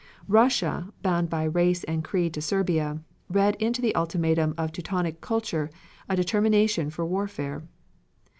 Russia, bound by race and creed to Serbia, read into the ultimatum of Teutonic kultur a determination for warfare.